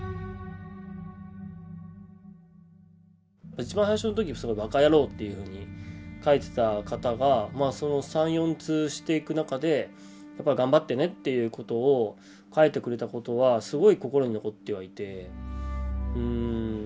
一番最初の時「バカヤロウ」っていうふうに書いてた方が３４通していく中で「がんばってね」っていうことを書いてくれたことはすごい心に残ってはいて。